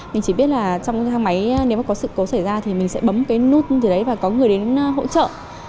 mình chỉ biết là trong thang máy nếu có sự cố xảy ra thì mình sẽ bấm cái nút như thế đấy và có người đến hỗ trợ